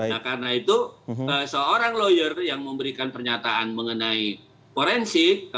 nah karena itu seorang lawyer yang memberikan pernyataan mengenai forensik